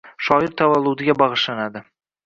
Shoir tavalludiga bag‘ishlandi